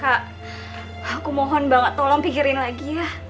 kak aku mohon banget tolong pikirin lagi ya